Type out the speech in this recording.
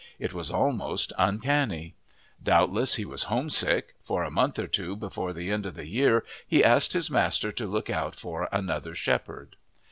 It was almost uncanny. Doubtless he was home sick, for a month or two before the end of the year he asked his master to look out for another shepherd.